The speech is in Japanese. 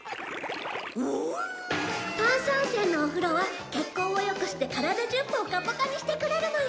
炭酸泉のお風呂は血行を良くして体中ポカポカにしてくれるのよ！